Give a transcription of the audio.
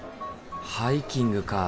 ハイキングか。